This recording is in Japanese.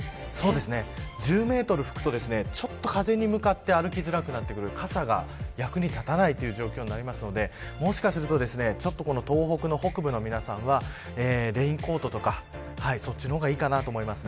そうですね、１０メートル吹くと、風に向かって歩きづらくなってくる傘が役に立たないという状況になりますので、もしかすると東北の北部の皆さんはレインコートとかそっちの方がいいかなと思います。